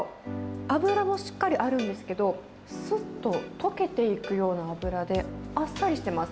脂もしっかりあるんですけど、すっと溶けていくような脂で、あっさりしてます。